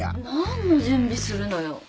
何の準備するのよ。